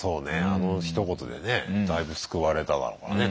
あのひと言でねだいぶ救われただろうからね